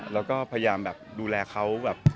แล้วก็พยายามแบบดูแลเขาแบบ